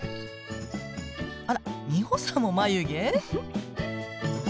あらミホさんも眉毛？